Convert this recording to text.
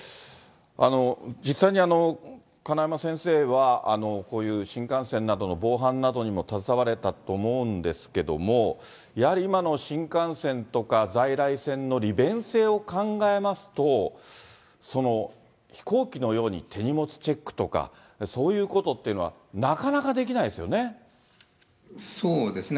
実際に金山先生は、こういう新幹線などの防犯などにも携われたと思うんですけれども、やはり今の新幹線とか在来線の利便性を考えますと、飛行機のように手荷物チェックとか、そういうことっていうのはなかなかできないですよね。